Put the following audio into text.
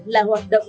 là hoạt động